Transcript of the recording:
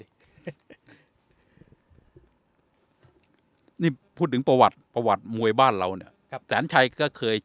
นี่พูดถึงประวัติประวัติมวยบ้านเราเนี่ยครับแสนชัยก็เคย